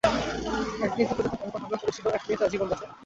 একদিন শত্রু যখন তার উপর হামলা করেছিলো, এক মেয়ে তার জীবন বাঁচায়।